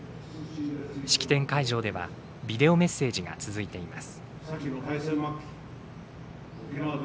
式典会場ではビデオメッセージが続いています。